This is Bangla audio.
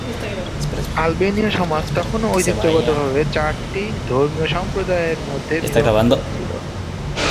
আলবেনীয় সমাজ তখনও ঐতিহ্যগতভাবে চারটি ধর্মীয় সম্প্রদায়ের মধ্যে বিভক্ত ছিল।